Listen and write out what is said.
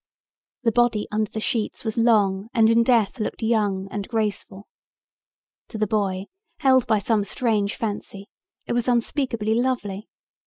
The body under the sheets was long and in death looked young and graceful. To the boy, held by some strange fancy, it was unspeakably lovely.